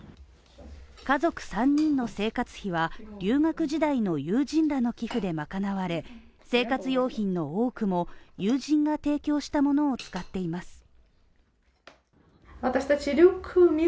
家族３人の生活費は留学時代の友人らの寄付で賄われ、生活用品の多くも友人が提供したものを使っています。